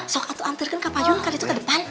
sokatu anterin ke pak yun kan itu ke depan